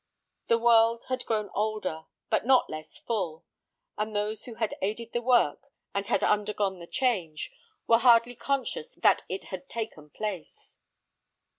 The world had grown older, but not less full; and those who had aided the work, and had undergone the change, were hardly conscious that it had taken place.